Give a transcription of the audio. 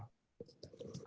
nah dengan sendiri itu